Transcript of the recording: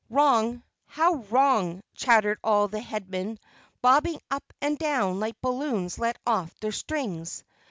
"Wrong, how wrong," chattered all the Headmen, bobbing up and down like balloons let off their strings.